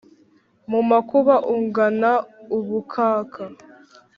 Mu makuba ungana ubukaka